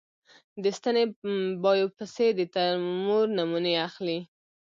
د ستنې بایوپسي د تومور نمونې اخلي.